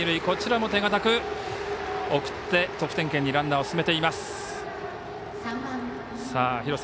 こちらも手堅く送って得点圏にランナーを